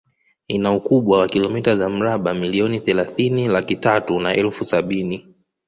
Ina ukubwa wa kilomita za mraba milioni thelathini laki tatu na elfu sabini